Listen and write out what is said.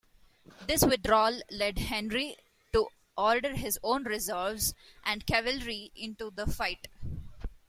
This withdrawal led Henry to order his own reserves and cavalry into the fight.